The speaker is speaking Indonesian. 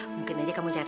mungkin aja kamu catat